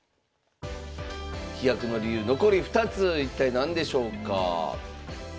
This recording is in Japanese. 飛躍の理由残り２つ一体何でしょうか。